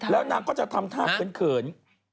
แล้วนางก็จะทำทาบเป็นเขิน